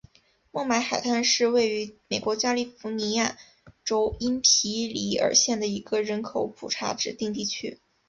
孟买海滩是位于美国加利福尼亚州因皮里尔县的一个人口普查指定地区。